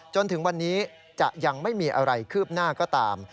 จนถึงวันนี้จะยังไม่มีอะไรคืบหน้าก็ตาม